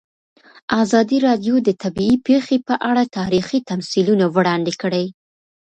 ازادي راډیو د طبیعي پېښې په اړه تاریخي تمثیلونه وړاندې کړي.